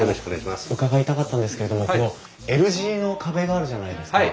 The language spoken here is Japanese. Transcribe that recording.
伺いたかったんですけれどもこのＬ字の壁があるじゃないですか。